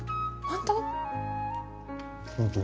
本当？